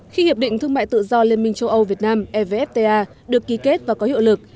khi hiệp định thương mại tự do liên minh châu âu việt nam evfta được ký kết và có hiệu lực